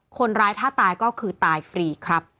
คนร้ายถ้าตายก็คือตายฟรีครับ